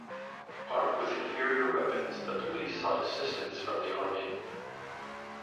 Armed with inferior weapons, the police sought assistance from the army.